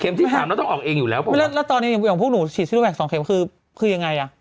เข็มที่๓แล้วต้องออกเองอยู่แล้วแล้วตอนนี้อย่างพวกหนูฉีดซิโนแวค๒เข็มคือยังไง